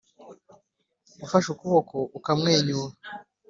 ufashe ukuboko ukamwenyura